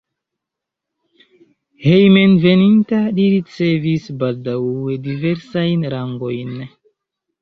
Hejmenveninta li ricevis baldaŭe diversajn rangojn.